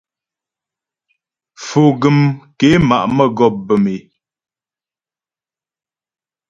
Foguəm ké ma' mə́gɔp bə̌m é.